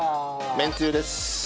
めんつゆです。